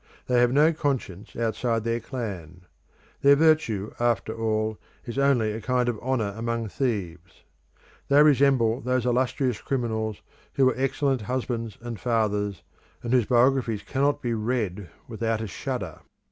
They have no conscience outside their clan. Their virtue after all is only a kind of honour among thieves. They resemble those illustrious criminals who were excellent husbands and fathers, and whose biographies cannot be read without a shudder.